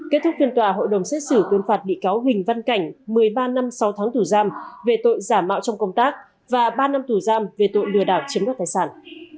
kết thúc phiên tòa hội đồng xét xử tuyên phạt bị cáo huỳnh văn cảnh một mươi ba năm sáu tháng tù giam về tội giả mạo trong công tác và ba năm tù giam về tội lừa đảo chiếm đoạt tài sản